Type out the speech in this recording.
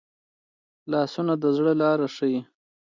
لاسونه د زړه لاره ښيي